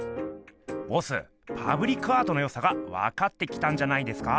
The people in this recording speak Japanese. ボスパブリックアートのよさがわかってきたんじゃないですか。